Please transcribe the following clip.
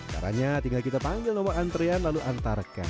caranya tinggal kita panggil nomor antrean lalu antarkan